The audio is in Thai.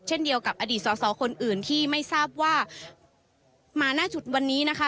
เช่นเดียวกับอดีตสอสอคนอื่นที่ไม่ทราบว่ามาหน้าจุดวันนี้นะคะ